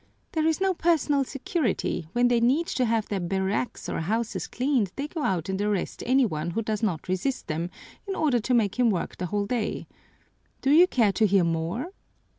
There is no personal security; when they need to have their barracks or houses cleaned they go out and arrest any one who does not resist them, in order to make him work the whole day. Do you care to hear more?